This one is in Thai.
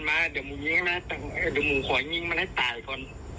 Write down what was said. เดี๋ยวมูกขอยยิงมันให้ตายก่อน